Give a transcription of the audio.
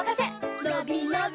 のびのび